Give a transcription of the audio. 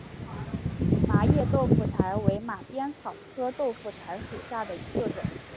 麻叶豆腐柴为马鞭草科豆腐柴属下的一个种。